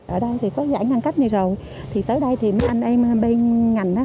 ở đây thì có giãn ngăn cách này rồi thì tới đây thì mấy anh em bên ngành